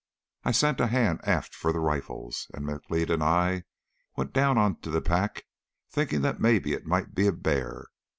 I sent a hand aft for the rifles, and M'Leod and I went down on to the pack, thinking that maybe it might be a bear.